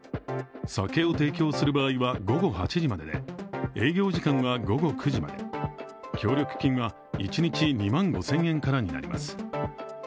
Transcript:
酒を提供する場合は午後８時までで営業時間は午後９時まで、協力金は一日２万５０００円からになります。